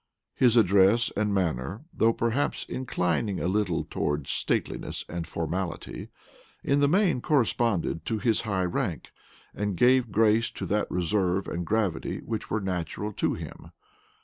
His address and manner, though perhaps inclining a little towards stateliness and formality, in the main corresponded to his high rank, and gave grace to that reserve and gravity which were natural to him.